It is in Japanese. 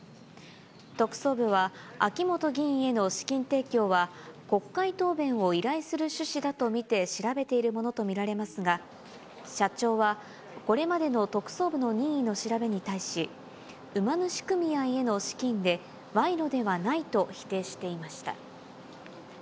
特捜部は、秋本議員への資金提供は、国会答弁を依頼する趣旨だと見て調べているものと見られますが、社長はこれまでの特捜部の任意の調べに対し、馬主組合への資金で、賄賂ではないと否定していました。